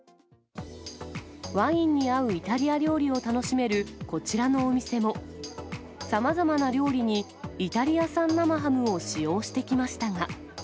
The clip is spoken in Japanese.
ワインに合うイタリア料理を楽しめるこちらのお店も、さまざまな料理にイタリア産生ハムを使用してきましたが。